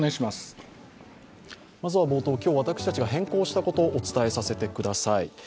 まずは冒頭、今日私たちが、変更したことお伝えさせてください。